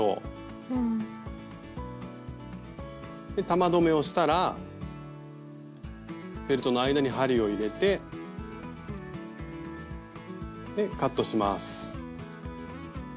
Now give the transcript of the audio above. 玉留めをしたらフェルトの間に針を入れてでカットします。